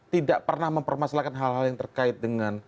tidak pernah mempermasalahkan hal hal yang terkait dengan